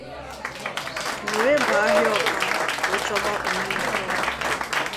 M wee bàá ahịa Awka wee chọba 'Omenụkọ'